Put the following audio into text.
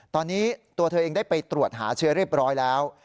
ตอนนี้ตัวเธอเองได้ไปตรวจหาเชื้อเรียบร้อยแล้ว